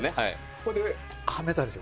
それで、はめたんですよ。